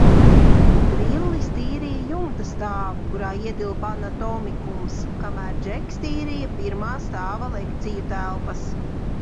Drillis tīrīja jumta stāvu, kurā ietilpa anatomikums, kamēr Džeks tīrīja pirmā stāva lekciju telpas.